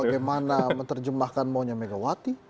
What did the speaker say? bagaimana menerjemahkan maunya megawati